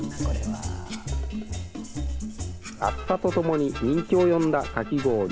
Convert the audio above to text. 暑さとともに人気を呼んだかき氷。